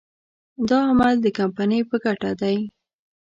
دا عمل د کمپنۍ په ګټه دی.